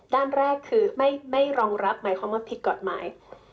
ด้านแรกคือไม่รองรับหมายความว่าผิดกฎหมาย